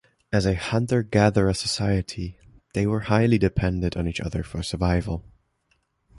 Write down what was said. As a hunter-gatherer society, they were highly dependent on each other for survival.